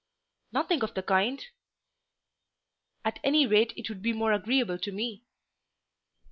"Nothing of the kind." "At any rate it would be more agreeable to me."